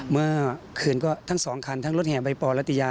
เมื่อคืนก็ทั้งสองคันทั้งรถแห่ใบปอรัตยา